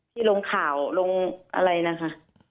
ที่ลงข่าวลงอะไรนะคะ